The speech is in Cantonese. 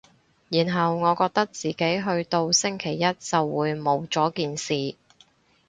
然後我覺得自己去到星期一就會冇咗件事